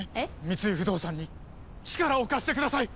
三井不動産に力を貸してください！